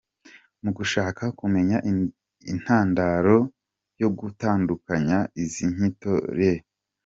Mu gushaka kumenya intandaro yo gutandukanya izi nyito, Rev.